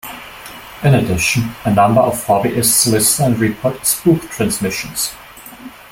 In addition, a number of hobbyists listen and report "spook" transmissions.